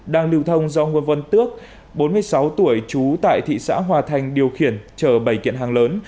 đang lưu thông do ngô vân tước bốn mươi sáu tuổi trú tại thị xã hòa thành điều khiển chở bảy kiện hàng lớn